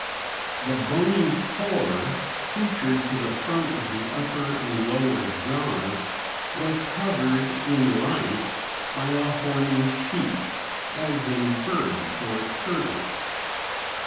The bony core sutured to the front of the upper and lower jaws was covered in life by a horny sheath, as in birds or turtles.